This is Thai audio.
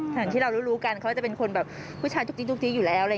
สถานที่เรารู้กันเขาจะเป็นคนผู้ชายจุ๊กอยู่แล้ว